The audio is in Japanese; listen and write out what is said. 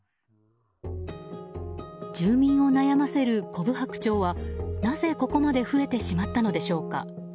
住民を悩ませるコブハクチョウはなぜここまで増えてしまったのでしょうか。